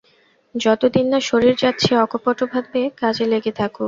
যত দিন না শরীর যাচ্ছে, অকপটভাবে কাজে লেগে থাক।